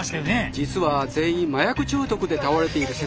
実は全員麻薬中毒で倒れている設定なんです。